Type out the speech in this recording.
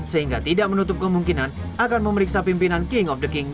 sehingga tidak menutup kemungkinan akan memeriksa pimpinan king of the king